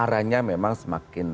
aranya memang semakin jauh